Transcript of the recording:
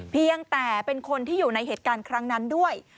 เพียงแต่เป็นคนที่อยู่ในเหตุการณ์ครั้งนั้นด้วย